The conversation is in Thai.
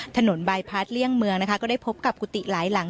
บายพัดเลี่ยงเมืองนะคะก็ได้พบกับกุฏิหลายหลัง